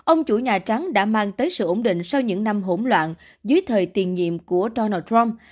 ông chủ nhà trắng đã mang tới sự ổn định sau những năm hỗn loạn dưới thời tiền nhiệm của donald trump